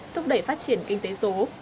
thúc đẩy phát triển kinh tế số